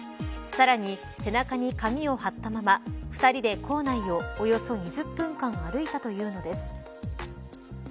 さらに、背中に紙を貼ったまま２人で校内をおよそ２０分間歩いたというのです。